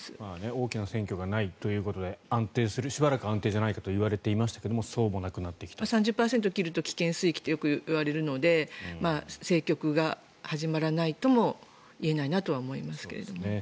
大きな選挙がないということでしばらく安定じゃないかと言われていましたが３０％を切ると危険水域といわれているので政局が始まらないとも言えないとは思いますけれども。